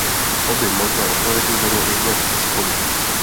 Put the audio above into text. Obě možné odpovědi vedou ihned ke sporu.